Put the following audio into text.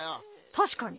確かに。